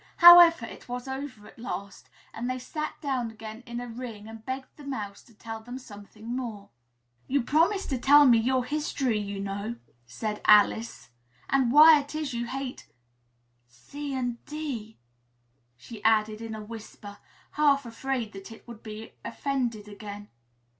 However, it was over at last and they sat down again in a ring and begged the Mouse to tell them something more. "You promised to tell me your history, you know," said Alice, "and why it is you hate C and D," she added in a whisper, half afraid that it would be offended again.